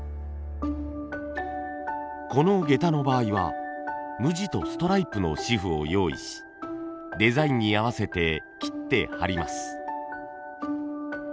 この下駄の場合は無地とストライプの紙布を用意しデザインに合わせて切って貼ります。